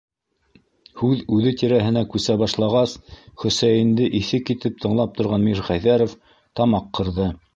Һүҙ үҙе тирәһенә күсә башлағас, Хөсәйенде иҫе китеп тыңлап торған Мирхәйҙәров тамаҡ ҡырҙы: